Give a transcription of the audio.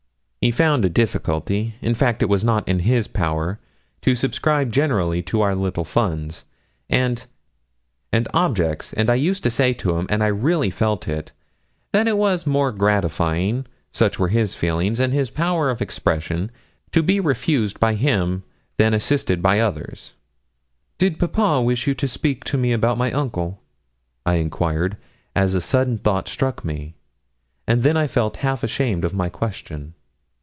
'He found a difficulty in fact it was not in his power to subscribe generally to our little funds, and and objects, and I used to say to him, and I really felt it, that it was more gratifying, such were his feeling and his power of expression, to be refused by him than assisted by others.' 'Did papa wish you to speak to me about my uncle?' I enquired, as a sudden thought struck me; and then I felt half ashamed of my question.